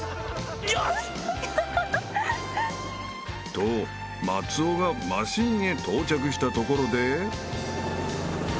［と松尾がマシンへ到着したところで］